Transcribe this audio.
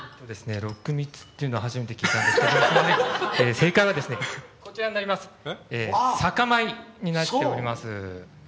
六蜜っていうのは初めて聞いたんですが正解は酒米になっております。